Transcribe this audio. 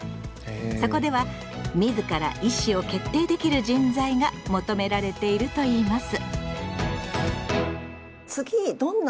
そこでは「自ら意思を決定できる人材」が求められているといいます。